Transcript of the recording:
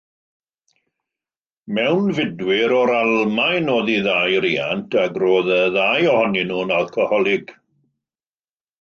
Mewnfudwyr o'r Almaen oedd ei ddau riant ac roedd y ddau ohonyn nhw'n alcoholig.